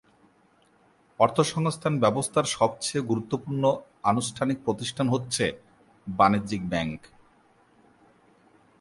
অর্থসংস্থান ব্যবস্থার সবচেয়ে গুরুত্বপূর্ণ আনুষ্ঠানিক প্রতিষ্ঠান হচ্ছে বাণিজ্যিক ব্যাংক।